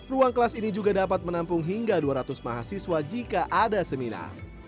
ruang kelas ini juga dapat menampung hingga dua ratus mahasiswa jika ada seminar